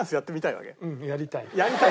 やりたいの？